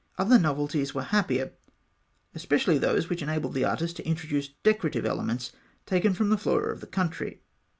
Other novelties were happier, especially those which enabled the artist to introduce decorative elements taken from the flora of the country.